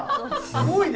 すごいな。